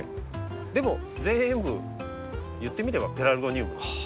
でも全部いってみればペラルゴニウムなんです。